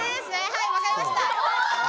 はいわかりました。